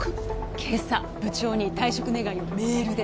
今朝部長に退職願をメールで